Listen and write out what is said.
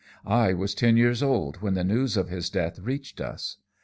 I was ten years old when the news of his death reached us.